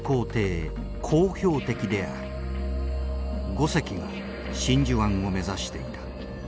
５隻が真珠湾を目指していた。